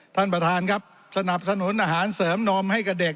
ท่านประธานครับสนับสนุนอาหารเสริมนมให้กับเด็ก